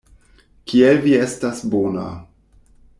Kiel vi estas bona.